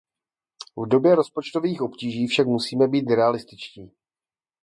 V době rozpočtových obtíží však musíme být realističtí.